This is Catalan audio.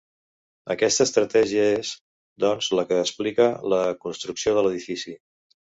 Aquesta estratègia és, doncs, la que explica la construcció de l'edifici.